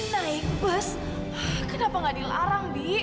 naik bus kenapa nggak dilarang bi